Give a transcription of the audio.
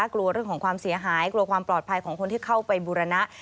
กลัวเรื่องของความเสียหายกลัวความปลอดภัยของคนที่เข้าไปบูรณะ